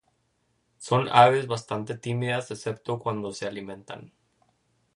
Son aves bastantes tímidas excepto cuando se alimentan.